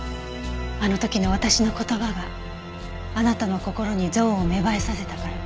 あの時の私の言葉があなたの心に憎悪を芽生えさせたから。